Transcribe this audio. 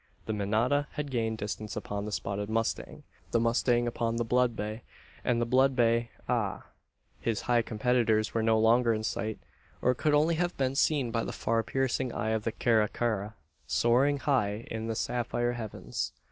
The manada had gained distance upon the spotted mustang; the mustang upon the blood bay; and the blood bay ah! his competitors were no longer in sight, or could only have been seen by the far piercing eye of the caracara, soaring high in the sapphire heavens.